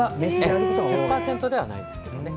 １００％ではないですけどね。